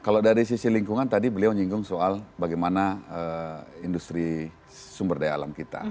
kalau dari sisi lingkungan tadi beliau menyinggung soal bagaimana industri sumber daya alam kita